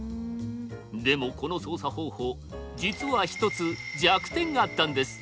でもこの操作方法実は一つ弱点があったんです。